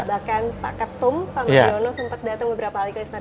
bahkan pak ketum pak meryono sempat datang beberapa kali ke istana ini